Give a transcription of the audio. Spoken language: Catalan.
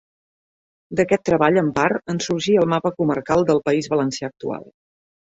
D'aquest treball, en part, en sorgí el mapa comarcal del País Valencià actual.